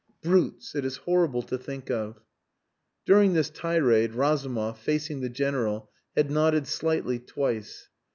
Brutes. It is horrible to think of." During this tirade Razumov, facing the General, had nodded slightly twice.